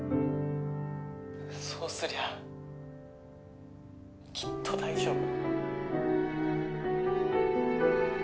そうすりゃきっと大丈夫。